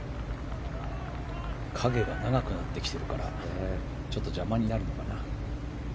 影が長くなってきてるから邪魔になるのかな。